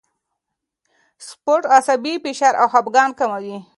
سپورت عصبي فشار او خپګان کموي.